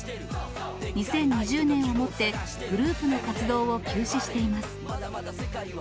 ２０２０年をもって、グループの活動を休止しています。